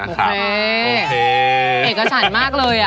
แดงขนร้อยแดงขนร้อย